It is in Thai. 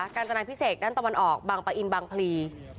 การจนาพิเศษด้านตะวันออกบางปะอินบางพลี